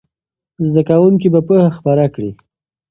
زده کوونکي به پوهه خپره کړي.